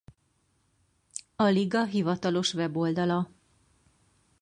A liga hivatalos weboldala